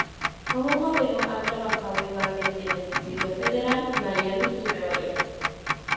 Como modelo ha trabajado igualmente en el Distrito Federal, Miami y Nueva York.